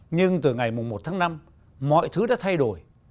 nhưng từ ngày một tháng năm mọi thứ đã thay đổi